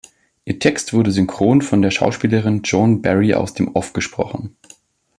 Ihr Text wurde synchron von der Schauspielerin Joan Barry aus dem Off gesprochen.